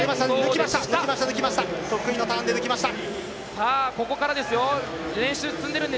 得意のターンで抜きました。